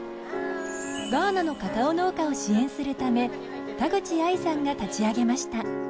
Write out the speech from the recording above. ガーナのカカオ農家を支援するため田口愛さんが立ち上げました。